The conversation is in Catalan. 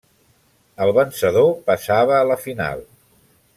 El vencedor passava a la final.